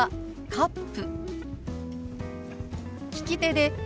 「カップ」。